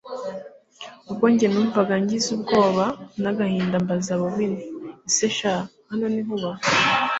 ubwo njye numvise ngize ubwoba nagahinda mbaza bobi nti ese sha! hano niho uba!